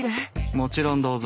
もちろんどうぞ。